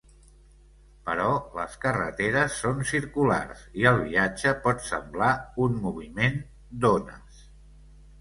Però les carreteres són circulars i el viatge pot semblar un moviment d'ones.